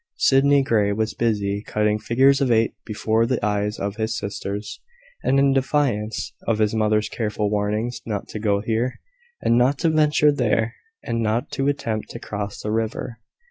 Sydney Grey was busy cutting figures of eight before the eyes of his sisters, and in defiance of his mother's careful warnings not to go here, and not to venture there, and not to attempt to cross the river.